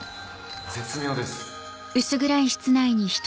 絶妙です。